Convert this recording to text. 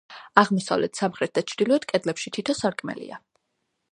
აღმოსავლეთ, სამხრეთ და ჩრდილოეთ კედლებში თითო სარკმელია.